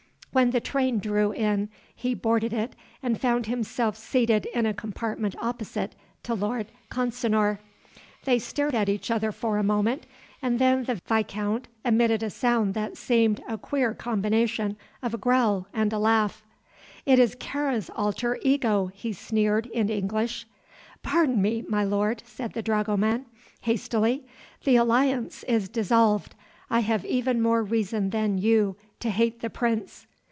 When the train drew in he boarded it and found himself seated in a compartment opposite to Lord Consinor. They stared at each other for a moment, and then the viscount emitted a sound that seemed a queer combination of a growl and a laugh. "It is Kāra's alter ego," he sneered, in English. "Pardon me, my lord," said the dragoman, hastily, "the alliance is dissolved. I have even more reason than you to hate the prince."